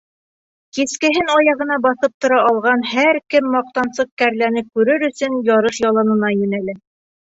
Кискеһен аяғына баҫып тора алған һәр кем маҡтансыҡ кәрләне күрер өсөн ярыш яланына йүнәлә.